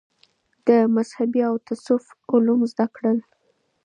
ده د مذهب او تصوف علوم زده کړل